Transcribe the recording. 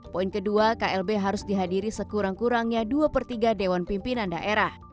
poin kedua klb harus dihadiri sekurang kurangnya dua per tiga dewan pimpinan daerah